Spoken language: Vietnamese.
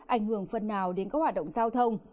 ảnh hưởng phần nào đến các hoạt động giao thông